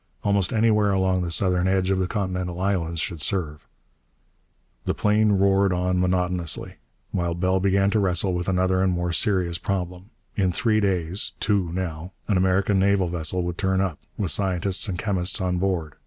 Almost anywhere along the southern edge of the continental islands should serve. The plane roared on monotonously, while Bell began to wrestle with another and more serious problem. In three days two, now an American naval vessel would turn up, with scientists and chemists on board.